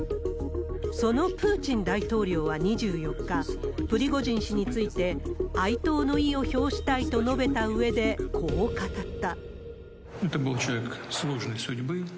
そのプーチン大統領は２４日、プリゴジン氏について、哀悼の意を表したいと述べたうえで、こう語った。